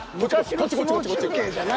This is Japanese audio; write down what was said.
こっちこっちこっち。